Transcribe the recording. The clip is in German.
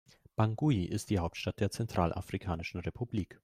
Bangui ist die Hauptstadt der Zentralafrikanischen Republik.